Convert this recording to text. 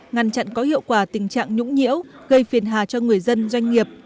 ngăn chặn có hiệu quả tình trạng nhũng nhiễu gây phiền hà cho người dân doanh nghiệp